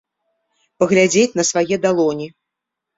Паглядзець на свае далоні.